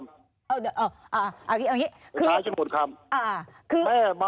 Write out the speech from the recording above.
เอาอย่างนี้คือไปใช้จนหมดครับ